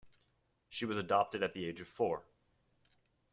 She was adopted at the age of four.